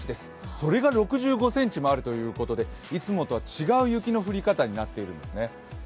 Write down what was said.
それが６５ｃｍもあるということでいつもとは違う雪の降り方になっているんですね。